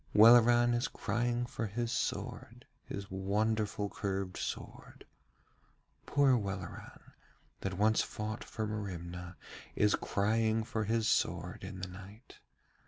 'Welleran is crying for his sword, his wonderful curved sword. Poor Welleran, that once fought for Merimna, is crying for his sword in the night.